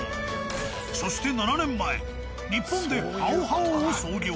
そして７年前日本で「好好」を創業。